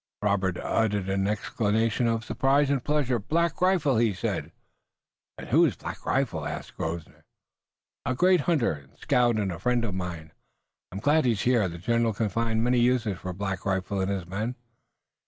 Robert uttered an exclamation of surprise and pleasure. "Black Rifle!" he said. "And who is Black Rifle?" asked Grosvenor. "A great hunter and scout and a friend of mine. I'm glad he's here. The general can find many uses for Black Rifle and his men."